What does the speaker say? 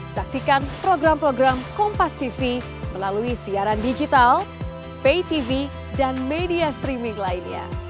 saksikan program program kompastv melalui siaran digital paytv dan media streaming lainnya